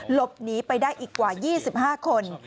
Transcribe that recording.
หลบหนีไปได้อีกกว่า๒๕คน